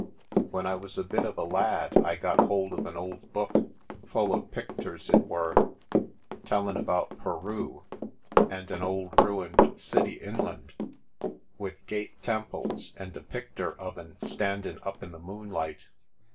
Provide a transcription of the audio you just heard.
When I was a bit of a lad I got hold of an old book, full o' picturs it were, tellin' about Peru, and an old ruined city inland, with g'eat temples and a pictur' of 'en standin' up in the moonlight.